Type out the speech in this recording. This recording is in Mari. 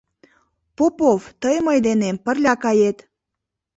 Попов, тый мый денем пырля кает!